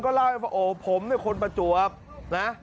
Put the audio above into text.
เล่าให้ว่าโอ้ผมเนี่ยคนประจวบนะ